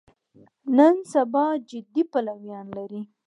نن سبا جدي پلویان لري.